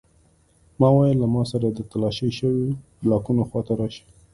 ما وویل له ما سره د تالاشي شویو بلاکونو خواته راشئ